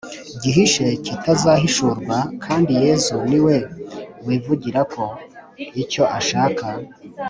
gihishe kitazahishurwa, kandi yezu niwe wivugira ko icyo ashaka